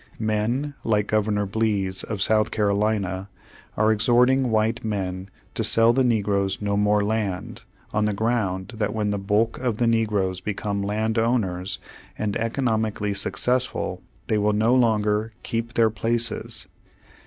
Men like Governor Blease, of South Carolina, are exhorting v/hite men to sell the negroes no more land, on the ground that when the bulk of the negroes become land owners, and economically successful, they will no longer "keep their places."